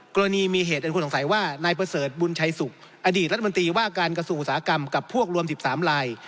กรณีมีเหตุอันควรสงสัยว่านายประเสริฐบุญชัยสุขอดีตรัฐมนตรีว่าการกระทรวงอุตสาหกรรมกับพวกรวม๑๓ลาย